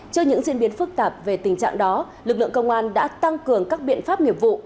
trước những diễn biến phức tạp về tình trạng đó lực lượng công an đã tăng cường các biện pháp nghiệp vụ